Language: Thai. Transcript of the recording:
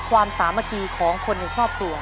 ความสามารถของคนในครอบครัว